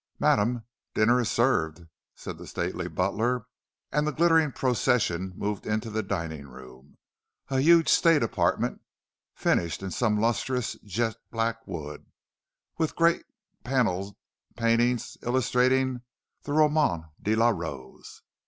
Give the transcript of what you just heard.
"Madam, dinner is served," said the stately butler; and the glittering procession moved into the dining room—a huge state apartment, finished in some lustrous jet black wood, and with great panel paintings illustrating the Romaunt de la Rose.